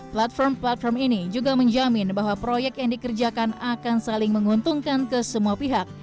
platform platform ini juga menjamin bahwa proyek yang dikerjakan akan saling menguntungkan ke semua pihak